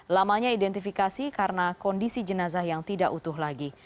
lamanya identifikasi karena kondisi jenazah yang tidak utuh lagi